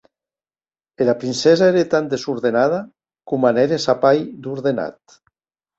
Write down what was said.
Era princessa ère tan desordenada, coma n’ère sa pair d’ordenat.